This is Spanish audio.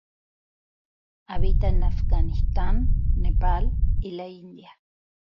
Habita en Afganistán, Nepal y la India.